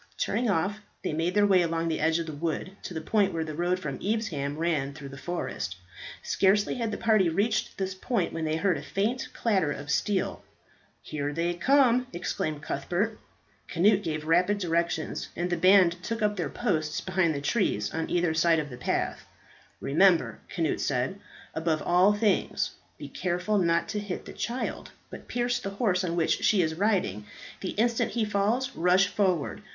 Turning off, they made their way along the edge of the wood to the point where the road from Evesham ran through the forest. Scarcely had the party reached this point when they heard a faint clatter of steel. "Here they come!" exclaimed Cuthbert. Cnut gave rapid directions, and the band took up their posts behind the trees, on either side of the path. "Remember," Cnut said, "above all things be careful not to hit the child, but pierce the horse on which she is riding. The instant he falls, rush forward.